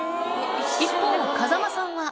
一方の風間さんは。